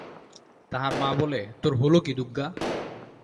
তাহার মা বলে, তোর হোল কি দুগগা?